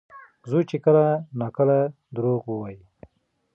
زوی یې کله ناکله دروغ وايي.